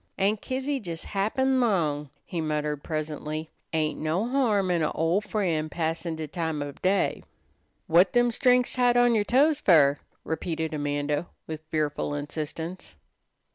"Aunt Kizzy jes happen' 'long," he muttered presently. "Ain't no harm in a' ol' frien' passin' de time ob day." "Whut them strings tied on yer toes fer?" repeated Amanda with fearful insistence.